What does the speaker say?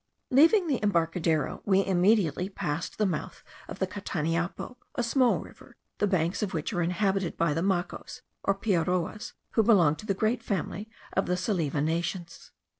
Leaving the embarcadero, we immediately passed the mouth of the Cataniapo, a small river, the banks of which are inhabited by the Macos, or Piaroas, who belong to the great family of the Salive nations.